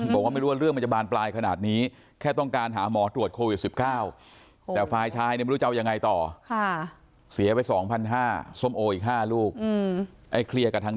บอกว่าไม่รู้ว่าเรื่องมันจะบานปลายขนาดนี้แค่ต้องการหาหมอตรวจโควิดสิบเก้า